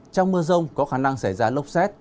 trong mưa rông có khả năng xảy ra lốc xét